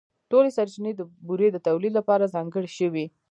ټولې سرچینې د بورې د تولیدً لپاره ځانګړې شوې.